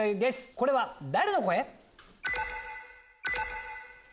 これは誰の声？